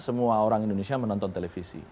semua orang indonesia menonton televisi